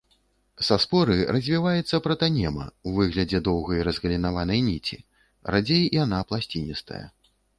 Са споры развіваецца пратанема ў выглядзе доўгай разгалінаванай ніці, радзей яна пласціністая.